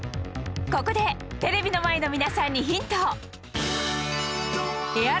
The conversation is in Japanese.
ここでテレビの前の皆さんにヒント